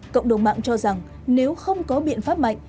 cộng đồng mạng cho rằng nếu không có biện pháp mạnh